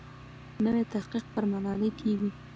نوی تحقیق پر ملالۍ کېږي.